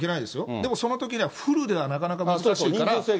でもそのときにはフルではなかなか難しいから。